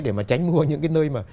để mà tránh mua những cái nơi mà